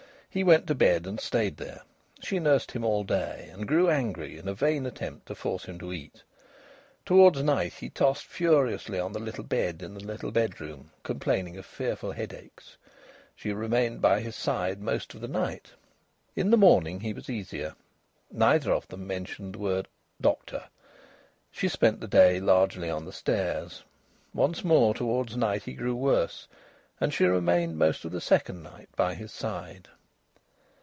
He went to bed and stayed there. She nursed him all day, and grew angry in a vain attempt to force him to eat. Towards night he tossed furiously on the little bed in the little bedroom, complaining of fearful headaches. She remained by his side most of the night. In the morning he was easier. Neither of them mentioned the word "doctor." She spent the day largely on the stairs. Once more towards night he grew worse, and she remained most of the second night by his side.